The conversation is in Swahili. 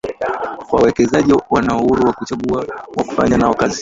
Wawekezaji wanao uhuru wa kuchagua wa kufanya nao kazi